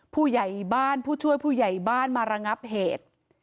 ผู้ใหญ่บ้านผู้ช่วยผู้ใหญ่บ้านมาระงับเหตุ